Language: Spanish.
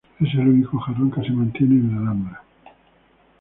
Es el único jarrón que se mantiene en la Alhambra.